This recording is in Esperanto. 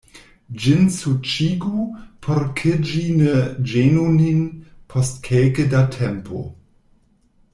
Ĝin suĉigu, por ke ĝi ne ĝenu nin, post kelke da tempo.